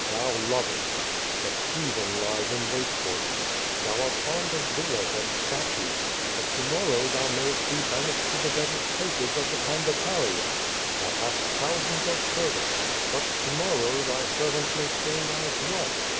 Thou lovest. But treason lies in wait for thee. Thou art fond of villas and statues. But to mor row thou mayest be banished to the desert places of the Pan dataria. Thou hast thousands of servants. But to morrow thy servants may spill thy blood.